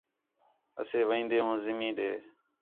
اسے وین٘دے ہوں زمین ݙے